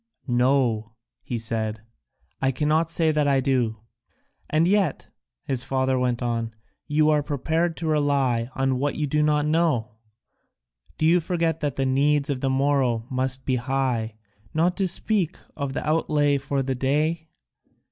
"No," he said, "I cannot say that I do." "And yet," his father went on, "you are prepared to rely on what you do not know? Do you forget that the needs of the morrow must be high, not to speak of the outlay for the day?"